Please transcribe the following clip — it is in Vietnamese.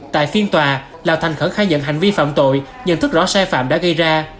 tại phiên tòa lào thành khẩn khai nhận hành vi phạm tội nhận thức rõ sai phạm đã gây ra